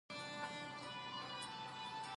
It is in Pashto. د ځمکې په سر د نباتاتو شتون د خاورې د تخریب مخه نیسي.